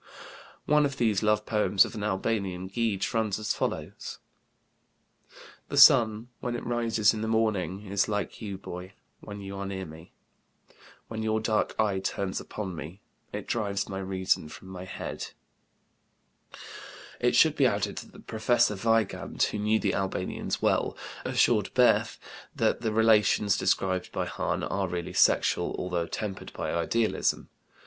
One of these love poems of an Albanian Gege runs as follows: "The sun, when it rises in the morning, is like you, boy, when you are near me. When your dark eye turns upon me, it drives my reason from my head." It should be added that Prof. Weigand, who knew the Albanians well, assured Bethe (Rheinisches Museum für Philologie, 1907, p. 475) that the relations described by Hahn are really sexual, although tempered by idealism.